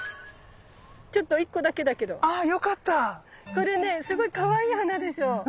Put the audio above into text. これねすごいかわいい花でしょ。